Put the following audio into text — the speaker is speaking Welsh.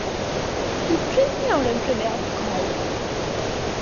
Dw i prin iawn yn prynu alcohol.